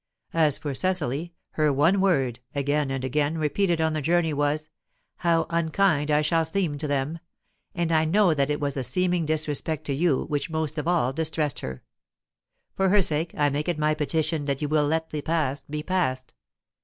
As for Cecily, her one word, again and again repeated on the journey, was, 'How unkind I shall seem to them!' and I know that it was the seeming disrespect to you which most of all distressed her. For her sake, I make it my petition that you will let the past be past.